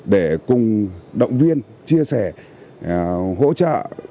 để cùng động viên chia sẻ hỗ trợ